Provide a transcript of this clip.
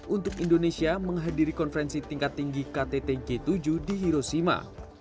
untuk indonesia menghadiri konferensi tingkat tinggi ktt g tujuh di hiroshima